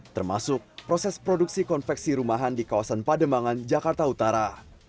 termasuk proses produksi konveksi rumahan di kawasan pademangan jakarta utara